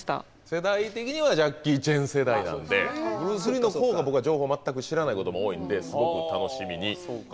世代的にはジャッキー・チェン世代なんでブルース・リーのほうが僕は情報全く知らないことも多いんですごく楽しみにしています。